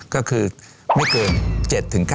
ก็คือไม่เกิน๗๙